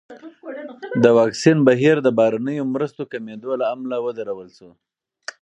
د واکسین بهیر د بهرنیو مرستو کمېدو له امله ودرول شو.